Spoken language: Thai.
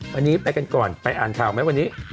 วันนี้ไปกันก่อนไปอ่านข่าวไหมวันนี้